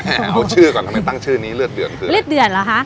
เอาชื่อก่อนทำไมตั้งชื่อนี้เลือดเดือดคือเลือดเดือนเหรอคะ